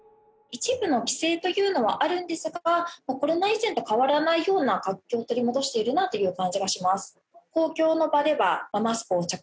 一部の規制というのはあるんですがもうコロナ以前と変わらないような活気を取り戻しているなという感じがします。